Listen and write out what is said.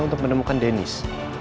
untuk menemukan dennis